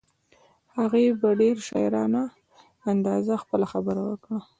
هغې په ډېر شاعرانه انداز خپله خبره وکړه.